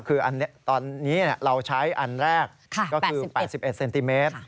คือตอนนี้เราใช้อันแรกก็คือ๘๑เซนติเมตร